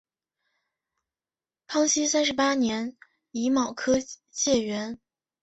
康熙三十八年己卯科解元。